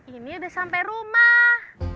ini udah sampe rumah